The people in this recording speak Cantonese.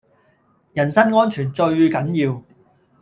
人身安全最緊要